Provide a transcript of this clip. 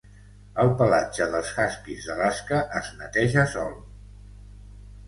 El pelatge dels huskies d'Alaska es neteja sol.